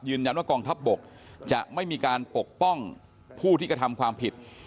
ว่ากองทัพบกจะไม่มีการปกป้องผู้ที่กระทำความผิด